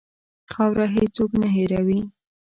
خاوره هېڅ څوک نه هېروي.